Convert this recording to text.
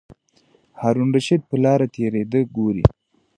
هارون الرشید په لاره تېرېده ګوري.